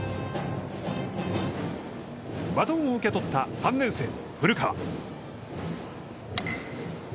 バトンを受け取った３年生の古川。